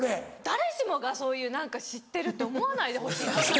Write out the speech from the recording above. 誰しもがそういう何か知ってるって思わないでほしい。